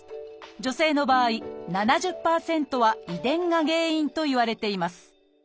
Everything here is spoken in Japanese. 女性の場合７０％は遺伝が原因といわれています